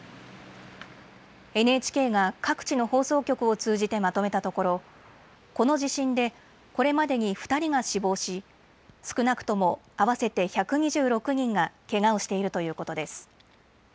ＮＨＫが各地の放送局を通じてまとめたところこの地震でこれまでに２人が死亡し、少なくとも合わせて１２６人がけがをしているということです。